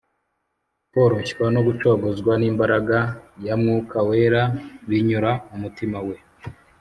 . Koroshywa, no gucogozwa n’imbaraga ya Mwuka Wera binyura umutima we.